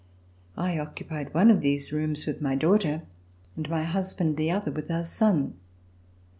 I occupied one of these rooms with my daughter, and my husband the other with our son.